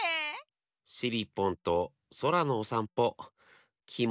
しりっぽんとそらのおさんぽきもちよかったなあ。